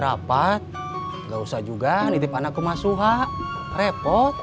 rapat gak usah juga nitip anak kemasuha repot